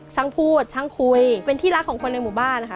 ช่างพูดช่างคุยเป็นที่รักของคนในหมู่บ้านนะคะ